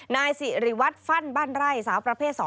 นายสิริวัตรฟั่นบ้านไร่สาวประเภท๒